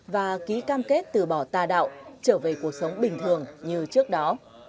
và ký cam kết từ bỏ tà đạo trở về cuộc sống bình thường như trước đó